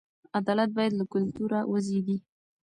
عدالت باید له کلتوره وزېږي.